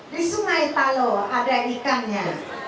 di sungai talo ada ikannya